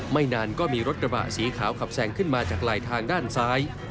นานก็มีรถกระบะสีขาวขับแซงขึ้นมาจากลายทางด้านซ้าย